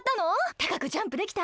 たかくジャンプできた？